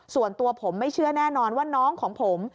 ส่วนตัวผมไม่เชื่อแน่นอนว่าน้องของผม